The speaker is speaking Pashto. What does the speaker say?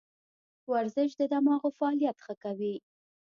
ورزش د دماغو فعالیت ښه کوي.